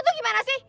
lo tuh gimana sih